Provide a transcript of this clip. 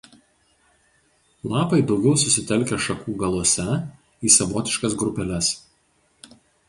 Lapai daugiau susitelkę šakų galuose į savotiškas grupeles.